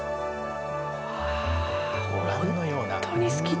ご覧のような。